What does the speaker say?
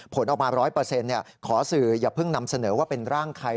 ผลออกมา๑๐๐ขอสื่ออย่าเพิ่งนำเสนอว่าเป็นร่างใคร